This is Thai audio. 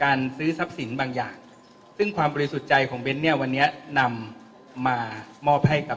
แต่ยืนยันได้อย่างนึงว่าเบ้นเเนี่ยไม่ยุ่งเกี่ยวอะไรกับยาเสพติดทั้งสิ้นเลยครับ